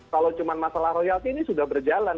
kalau cuma masalah royalti ini sudah berjalan